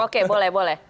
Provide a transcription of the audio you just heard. oke boleh boleh